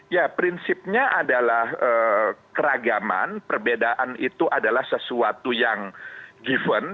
ya prinsipnya adalah keragaman perbedaan itu adalah sesuatu yang given